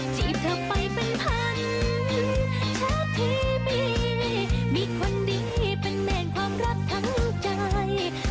จีบเธอไปเป็นพันแล้วพี่มีมีคนดีเป็นแมนความรักทั้งใจ